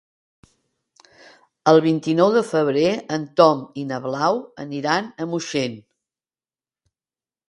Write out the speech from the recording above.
El vint-i-nou de febrer en Tom i na Blau aniran a Moixent.